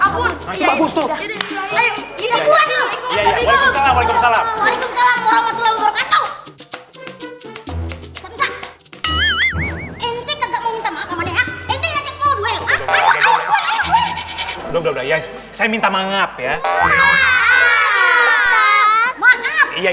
pokoknya kalau begini caranya